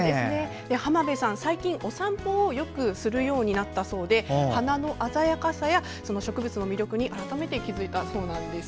浜辺さん、最近お散歩をよくするようになったそうで花の鮮やかさや植物の魅力に改めて気付いたそうなんです。